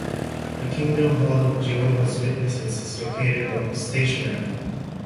The Kingdom Hall of Jehovah's Witnesses is located on Station Avenue.